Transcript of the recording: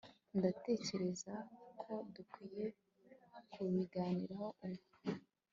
ndatekereza ko dukwiye kubiganiraho ubu